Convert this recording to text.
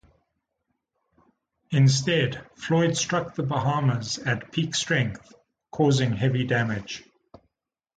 Instead, Floyd struck The Bahamas at peak strength, causing heavy damage.